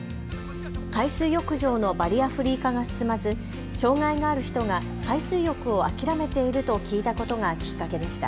海水浴場のバリアフリー化が進まず障害がある人が海水浴を諦めていると聞いたことがきっかけでした。